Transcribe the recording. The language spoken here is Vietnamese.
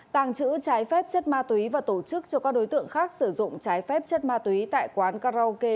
tàng trữ trái phép chất ma túy và tổ chức cho các đối tượng khác sử dụng trái phép chất ma túy tại quán karaoke